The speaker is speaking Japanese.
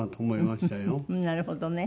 なるほどね。